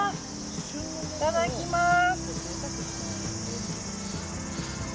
いただきます！